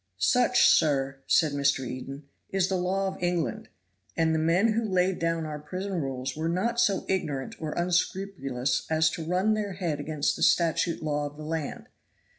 "Such, sir," said Mr. Eden, "is the law of England, and the men who laid down our prison rules were not so ignorant or unscrupulous as to run their head against the statute law of the land.